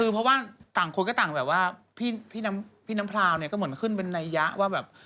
คือเพราะว่าต่างคนก็ต่างแบบว่าพี่น้ำพราวเนี่ยก็เหมือนขึ้นเป็นนัยยะว่าแบบ